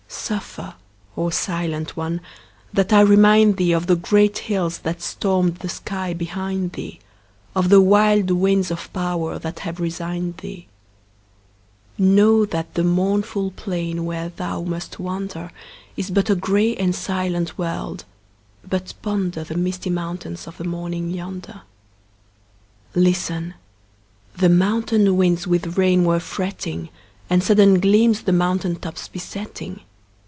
Suffer, O silent one, that I remind thee Of the great hills that stormed the sky behind thee, Of the wild winds of power that have resigned thee. Know that the mournful plain where thou must wander Is but a gray and silent world, but ponder The misty mountains of the morning yonder. Listen: the mountain winds with rain were fretting, And sudden gleams the mountain tops besetting.